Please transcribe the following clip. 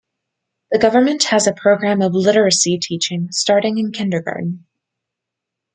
The government has a program of literacy teaching starting in kindergarten.